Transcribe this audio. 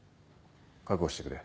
覚悟してくれ。